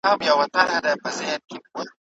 دا هغه جغرافيايي شرايط دي چي په اخلاقو اغېز کوي.